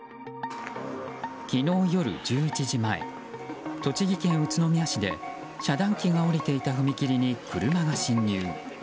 昨日夜１１時前栃木県宇都宮市で遮断機が下りていた踏切に車が進入。